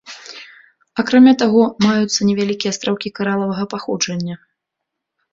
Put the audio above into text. Акрамя таго, маюцца невялікія астраўкі каралавага паходжання.